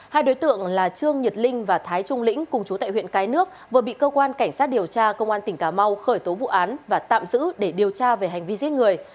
hai đối tượng là trương nhật linh và thái trung lĩnh cùng chú tại huyện cái nước vừa bị cơ quan cảnh sát điều tra công an tỉnh cà mau khởi tố vụ án và tạm giữ để điều tra về hành vi giết người